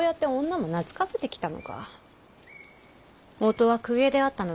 元は公家であったのであろう。